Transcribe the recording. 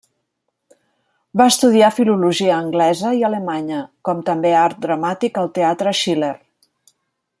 Va estudiar filologia anglesa i alemanya, com també art dramàtic al Teatre Schiller.